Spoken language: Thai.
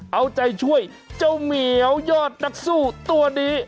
เอาใจช่วยเจ้าเหมียวยอดนักสู้ตัวนี้